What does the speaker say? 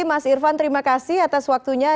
mas irvan terima kasih atas waktunya